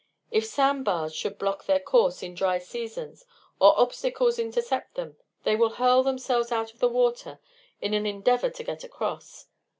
If sand bars should block their course in dry seasons or obstacles intercept them, they will hurl themselves out of the water in an endeavor to get across.